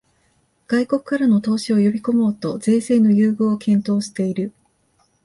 外国からの投資を呼びこもうと税制の優遇を検討している